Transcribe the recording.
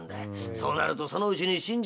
そうなるとそのうちに死んじまう。